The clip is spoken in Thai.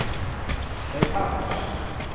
ในภาคเหนือ